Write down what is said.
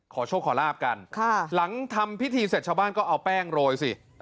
ขอโชคขอลาบกันหลังทำพิธีเสร็จชาวบ้านก็เอาแป้งโรยสิ